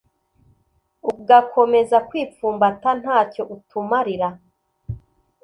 ugakomeza kwipfumbata, nta cyo utumarira